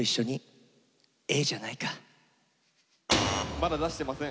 まだ出してません。